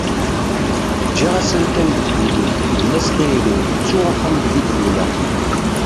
giɣ-as amkan deg ul-iw, tegla-yi s tayri-w, ttuɣ axxam deg i d-luleɣ